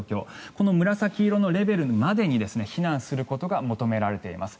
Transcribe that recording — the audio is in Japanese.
この紫色のレベルまでに避難することが求められています。